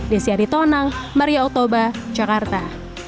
desyari tonang maria oktoba cakarta